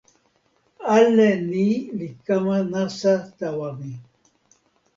ale ni li kama nasa tawa mi.